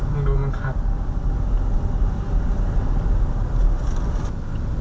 มึงดูมันคัก